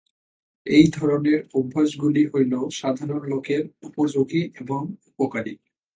এই ধরনের অভ্যাসগুলি হইল সাধারণ লোকের উপযোগী এবং উপকারী।